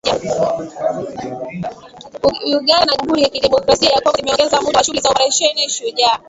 Uganda na jamhuri ya kidemokrasia ya Kongo zimeongeza muda wa shughuli za Oparesheni Shujaa